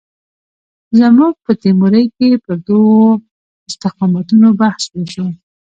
زموږ په تیورۍ کې پر دوو استقامتونو بحث وشو.